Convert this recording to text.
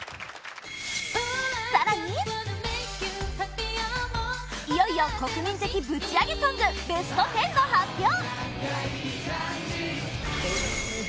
更にいよいよ国民的ぶちアゲソングベスト１０の発表！